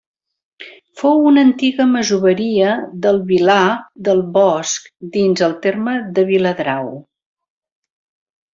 Fou una antiga masoveria del Vilar del Bosc dins el terme de Viladrau.